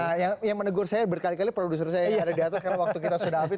nah yang menegur saya berkali kali produser saya yang ada di atas karena waktu kita sudah habis